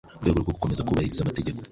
Mu rwego rwo gukomeza kubahiriza amategeko